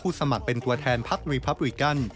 สมัครเป็นตัวแทนพักรีพับริกัน